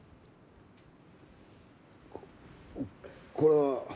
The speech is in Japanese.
ここれは。